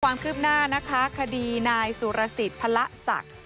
ความคืบหน้านะคะคดีนายสุรสิทธิ์พระศักดิ์